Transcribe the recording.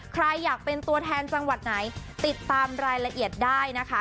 ใครอยากเป็นตัวแทนจังหวัดไหนติดตามรายละเอียดได้นะคะ